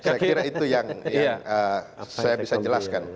saya kira itu yang saya bisa jelaskan